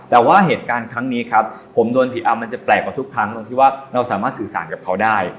แต่ว่าเหตุการณ์ครั้งนี้ครับผมโดนผีอำมันจะแปลกกว่าทุกครั้งตรงที่ว่าเราสามารถสื่อสารกับเขาได้